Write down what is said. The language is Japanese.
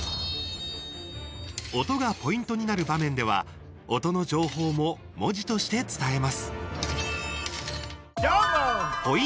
音がポイントになる場面では音の情報も文字として伝えます。